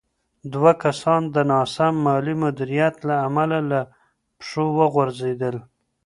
دوه کسان د ناسم مالي مدیریت له امله له پښو وغورځېدل.